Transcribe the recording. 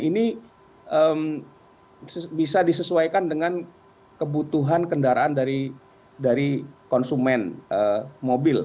ini bisa disesuaikan dengan kebutuhan kendaraan dari konsumen mobil